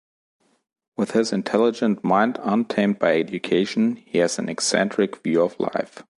With his intelligent mind untamed by education, he has an eccentric view of life.